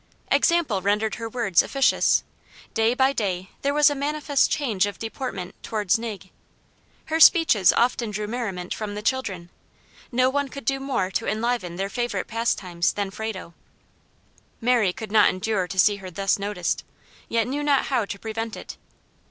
Example rendered her words efficacious. Day by day there was a manifest change of deportment towards "Nig." Her speeches often drew merriment from the children; no one could do more to enliven their favorite pastimes than Frado. Mary could not endure to see her thus noticed, yet knew not how to prevent it.